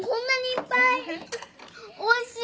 おいしい。